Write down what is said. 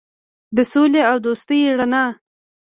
د سولې او دوستۍ رڼا.